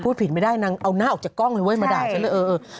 พูดผิดไม่ได้นางเอาหน้าออกจากกล้องไปเว้ยมาด่าฉันเลย